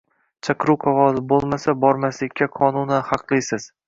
chaqiruv qog‘ozi bo‘lmasa, bormaslikka qonunan haqlisiz.